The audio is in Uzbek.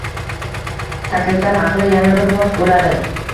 Takliflar haqida yana bir post bo'ladi